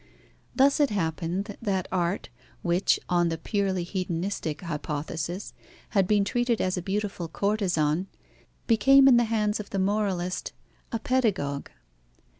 Thus it happened that art, which, on the purely hedonistic hypothesis, had been treated as a beautiful courtezan, became in the hands of the moralist, a pedagogue.